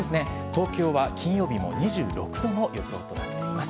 東京は金曜日も２６度の予想となっています。